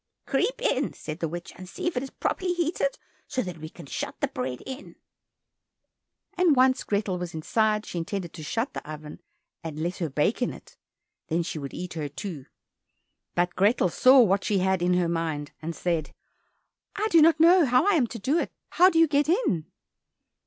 "Creep in," said the witch, "and see if it is properly heated, so that we can shut the bread in." And when once Grethel was inside, she intended to shut the oven and let her bake in it, and then she would eat her, too. But Grethel saw what she had in her mind, and said, "I do not know how I am to do it; how do you get in?"